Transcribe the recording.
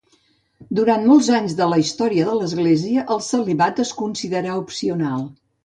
Durant molts anys de la història de l'Església, el celibat es considerà opcional.